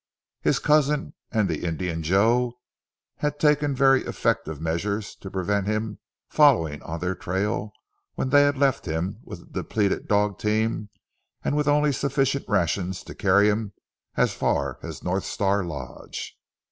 His cousin and the Indian Joe had taken very effective measures to prevent him following on their trail when they had left him with a depleted dog team and with only sufficient rations to carry him as far as North Star Lodge.